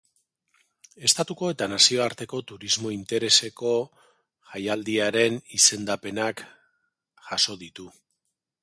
Estatuko eta nazioarteko turismo-intereseko jaialdiaren izendapenak jaso ditu.